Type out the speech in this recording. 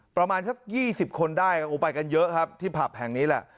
ประมาณสัก๒๐คนได้ไปกันเยอะครับที่ผับแห่งนี้แหละ